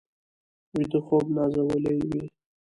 ویده خوب نازولي وي